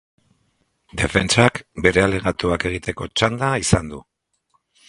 Defentsak bere alegatuak egiteko txanda izan du.